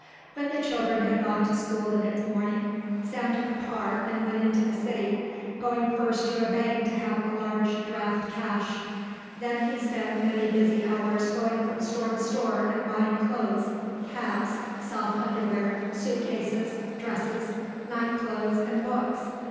When the children had gone to school the next morning, Sam took a car and went into the city, going first to a bank to have a large draft cashed. Then he spent many busy hours going from store to store and buying clothes, caps, soft underwear, suit cases, dresses, night clothes, and books.